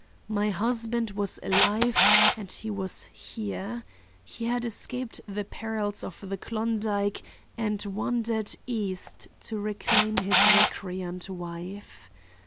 My husband was alive and he was here. He had escaped the perils of the Klondike and wandered east to reclaim his recreant wife.